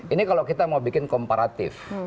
ini kalau kita mau bikin komparatif